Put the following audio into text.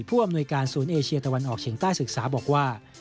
ผู้อำนวยการศูนย์เอเชียตะวันออกเฉียงใต้ศึกษาบอกว่า